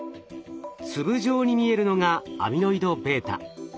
粒状に見えるのがアミロイドβ。